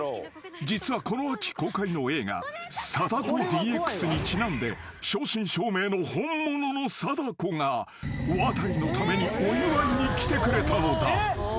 実はこの秋公開の映画『貞子ＤＸ』にちなんで正真正銘の本物の貞子がワタリのためにお祝いに来てくれたのだ］